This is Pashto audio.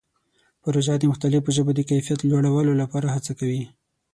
پروژه د مختلفو ژبو د کیفیت لوړولو لپاره هڅه کوي.